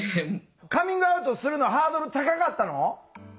カミングアウトするのハードル高かったの？